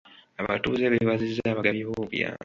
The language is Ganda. Abatuuze beebazizza abagabi b'obuyambi.